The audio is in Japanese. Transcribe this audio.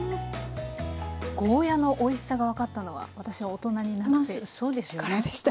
ゴーヤーのおいしさが分かったのは私は大人になってからでした。